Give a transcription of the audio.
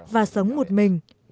và sống một mình